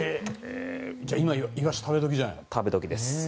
じゃあ、今イワシ食べ時じゃない。